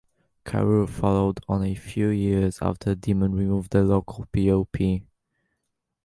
Karoo followed on a few years after Demon removed their local PoP.